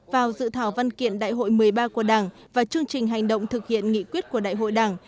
vào dự thảo văn kiện đại hội một mươi ba của đảng và chương trình hành động thực hiện nghị quyết của đại hội đảng